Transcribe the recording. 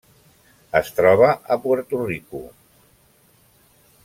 Es troba a Puerto Rico.